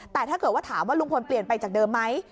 แต่ถ้าเกิดว่าถามว่าลุงพลเปลี่ยนไปจากเดิมไหม